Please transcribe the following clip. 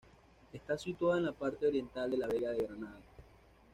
Está situado en la parte oriental de la Vega de Granada.